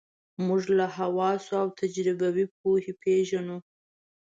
موږ له حواسو او تجربوي پوهې پېژنو.